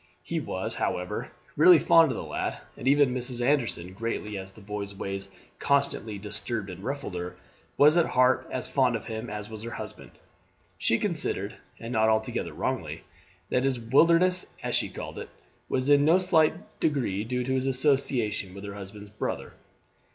He was, however, really fond of the lad; and even Mrs. Anderson, greatly as the boy's ways constantly disturbed and ruffled her, was at heart as fond of him as was her husband. She considered, and not altogether wrongly, that his wilderness, as she called it, was in no slight degree due to his association with her husband's brother.